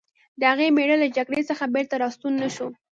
د هغې مېړه له جګړې څخه بېرته راستون نه شو